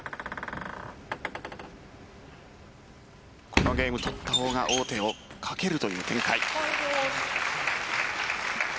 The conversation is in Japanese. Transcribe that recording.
このゲーム取った方が王手をかけるという展開